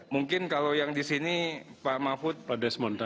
mungkin kalau yang disini pak mahfud